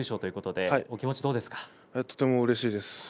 とてもうれしいです。